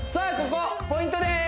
ここポイントです